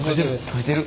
かいてる！